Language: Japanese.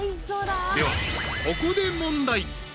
［ではここで問題］